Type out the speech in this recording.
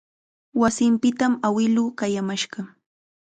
Wasinpitam awiluu qayamashqa.